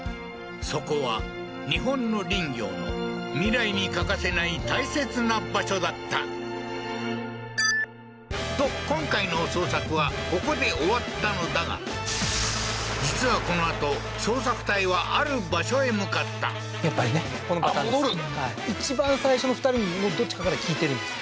そこは日本の林業の未来に欠かせない大切な場所だったと今回の捜索はここで終わったのだが実はこのあと捜索隊はある場所へ向かったやっぱりねこのパターンですね一番最初の２人のどっちかから聞いてるんですよ